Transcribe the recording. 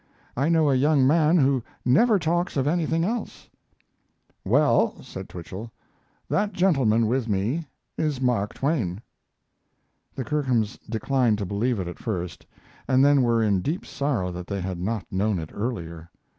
I know a young man who never talks of anything else." "Well," said Twichell, "that gentleman with me is Mark Twain." The Kirkhams declined to believe it at first, and then were in deep sorrow that they had not known it earlier.